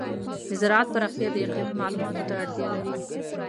د زراعت پراختیا د اقلیمي معلوماتو ته اړتیا لري.